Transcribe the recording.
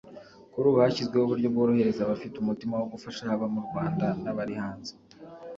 Kuri ubu hashyizweho uburyo bworohereza abafite umutima wo gufasha haba mu Rwanda n’abari hanze